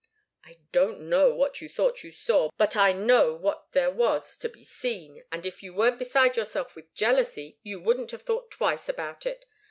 "I don't know what you thought you saw but I know what there was to be seen, and if you weren't beside yourself with jealousy you wouldn't have thought twice about it.